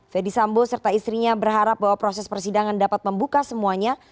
fedi sambo serta istrinya berharap bahwa proses persidangan dapat membuka semuanya